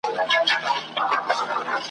داسي د نېستۍ څپېړو شین او زمولولی یم ,